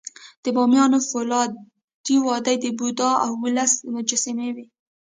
د بامیانو فولادي وادي کې د بودا اوولس مجسمې وې